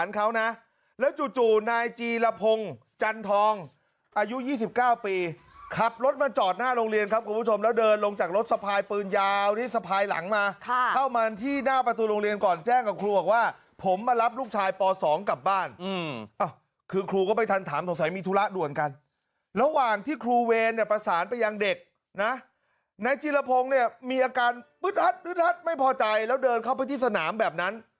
อายุ๒๙ปีขับรถมาจอดหน้าโรงเรียนครับคุณผู้ชมแล้วเดินลงจากรถสะพายปืนยาวนี่สะพายหลังมาเข้ามาที่หน้าประตูโรงเรียนก่อนแจ้งกับครูบอกว่าผมมารับลูกชายป๒กลับบ้านคือครูก็ไม่ทันถามสงสัยมีธุระด่วนกันระหว่างที่ครูเวรเนี่ยประสานไปยังเด็กนะนายจีรพงศ์เนี่ยมีอาการปึ๊ดรัดไม่พอใจแล้วเดินเข้าไปที่สนามแบบนั้น